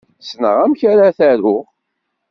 Ssneɣ amek ara t-aruɣ.